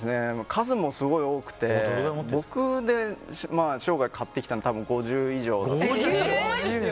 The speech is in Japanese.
数もすごい多くて僕で生涯買ってきたの５０以上。